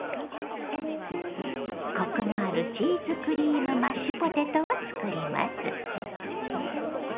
コクのあるチーズクリームマッシュポテトを作ります。